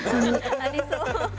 ありそう。